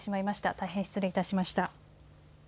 大変失礼いたしました。